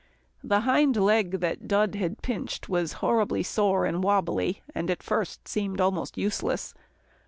The hind leg that Dud had pinched was terribly sore and wobbly, and at first seemed almost useless.